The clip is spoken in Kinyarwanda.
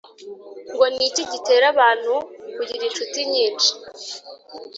Ngo ni iki gitera abantu kugira inshuti nyinshi?